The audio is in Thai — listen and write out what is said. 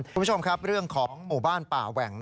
คุณผู้ชมครับเรื่องของหมู่บ้านป่าแหว่ง